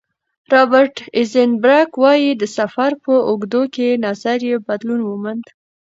رابرټ ایزنبرګ وايي، د سفر په اوږدو کې نظر یې بدلون وموند.